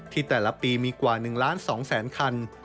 ที่แต่ละปีมีกว่า๑ล้าน๒แสนคัน